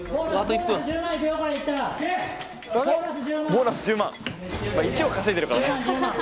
１億円稼いでるからね。